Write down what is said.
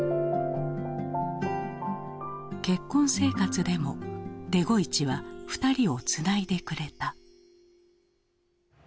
結婚生活でもデゴイチは２人をつないでくれた。